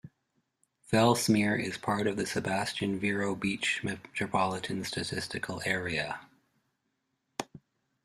Fellsmere is part of the Sebastian-Vero Beach Metropolitan Statistical Area.